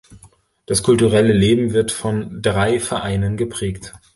Das kulturelle Leben wird von drei Vereinen geprägt.